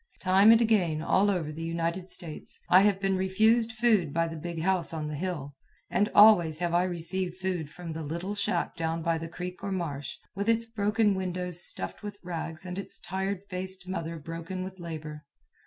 Time and again, all over the United States, have I been refused food by the big house on the hill; and always have I received food from the little shack down by the creek or marsh, with its broken windows stuffed with rags and its tired faced mother broken with labor.